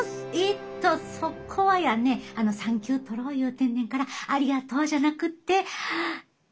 えっとそこはやね産休とろう言うてんねんからありがとうじゃなくって。